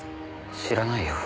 知らないよ。